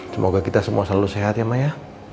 semoga kita semua selalu sehat ya mbak ya